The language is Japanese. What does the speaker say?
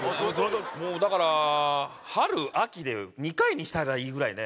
だから春秋で２回にしたらいいぐらいね